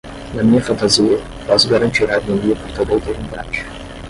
Na minha fantasia, posso garantir a harmonia por toda a eternidade.